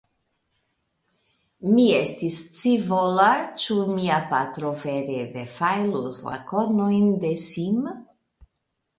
Mi estis scivola, ĉu mia patro vere defajlus la kornojn de Sim.